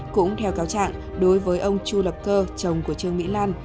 cũng theo cáo trạng đối với ông chu lập cơ chồng của trương mỹ lan